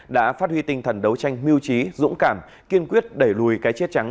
đã phát huy tinh thần đấu tranh mưu trí dũng cảm kiên quyết đẩy lùi cái chết trắng